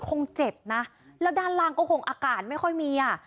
คงเจ็บนะแล้วด้านล่างก็คงอากาศไม่ค่อยมีอ่ะ